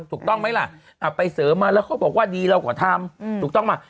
ถูกต้องไหมล่ะไปเสริมมาแล้วเขาบอกว่าดีเราก็ทำถูกต้องไหม